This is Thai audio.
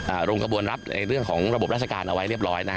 โรงกระบวนรับในเรื่องของระบบราชการเอาไว้เรียบร้อยนะฮะ